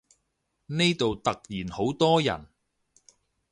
呢度突然好多人